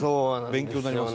勉強になります。